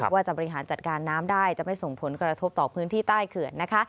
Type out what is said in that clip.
ว่าจะบริหารจัดการน้ำได้จะไม่ส่งผลกระทบต่อพื้นที่ใต้เขื่อนนะคะ